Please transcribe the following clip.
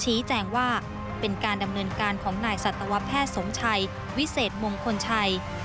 ชี้แจงว่าเป็นการดำเนินการของนายสัตวแพทย์สมชัยวิเศษมงคลชัย